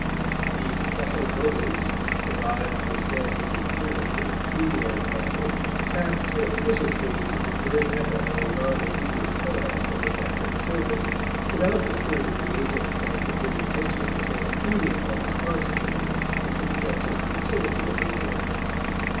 These special motives, derived from the standards and canons of the pecuniary culture, act surreptitiously to divert effort of a non invidious kind from effective service, without disturbing the agent's sense of good intention or obtruding upon his consciousness the substantial futility of his work.